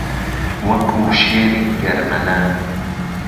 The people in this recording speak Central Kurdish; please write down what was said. وهکوو شێری گەرمهلان